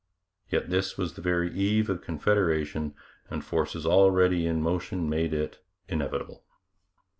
Yet this was the very eve of Confederation, and forces already in motion made it inevitable.